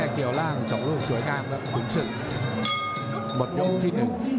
เกี่ยวร่าง๒ลูกสวยงามแล้วหมดยกที่๑